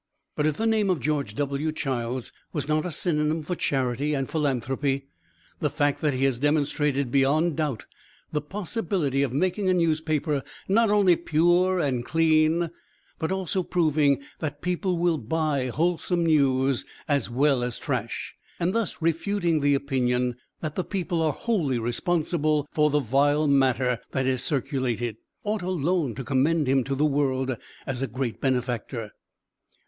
But if the name of George W. Childs was not a synonym for charity and philanthropy, the fact that he has demonstrated beyond doubt the possibility of making a newspaper not only pure and clean, but also proving that people will buy wholesome news, as well as trash, and thus refuting the opinion that the people are wholly responsible for the vile matter that is circulated, ought alone to commend him to the world as a great benefactor.